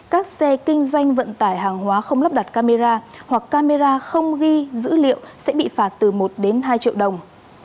các xe kinh doanh vận tải hàng hóa không lắp đặt camera hoặc camera không ghi dữ liệu sẽ bị phạt từ một đến hai triệu đồng